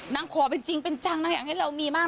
นางขอเป็นจริงเป็นจังนางอยากให้เรามีมาก